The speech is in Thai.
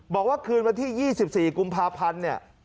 บอกว่าคืนวันที่๒๔กุมภาพันธ์เนี่ย